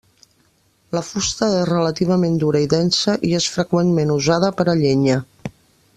La fusta és relativament dura i densa, i és freqüentment usada per a llenya.